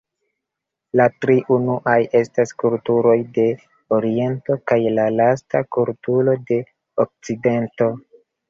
La tri unuaj estas kulturoj de Oriento kaj la lasta kulturo de Okcidento.